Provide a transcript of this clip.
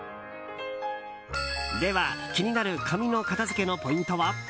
では、気になる紙の片付けのポイントは？